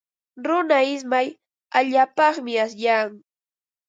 Runa ismay allaapaqmi asyan.